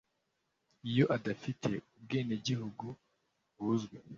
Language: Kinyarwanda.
iyo adafite ubwenegihugu buzwi